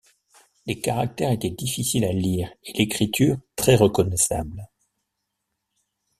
Les caractères étaient difficiles à lire et l'écriture très reconnaissable.